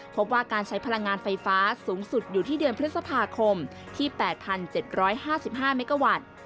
พบว่าการใช้พลังงานไฟฟ้าสูงสุดอยู่ที่เดือนพฤษภาคมที่๘๗๕๕เมกาวัตต์